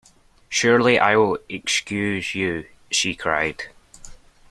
Surely I will excuse you, she cried.